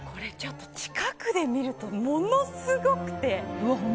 近くで見ると、ものすごくて。